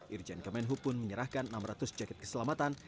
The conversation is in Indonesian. irjen kemenhub pun menyerahkan enam ratus jaket keselamatan